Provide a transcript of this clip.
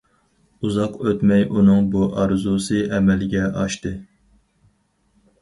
ئۇزاق ئۆتمەي ئۇنىڭ بۇ ئارزۇسى ئەمەلگە ئاشتى.